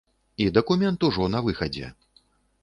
І дакумент ужо на выхадзе.